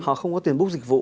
họ không có tiền búc dịch vụ